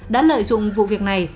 đã lợi dụng vụ việc này